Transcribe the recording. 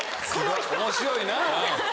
面白いな。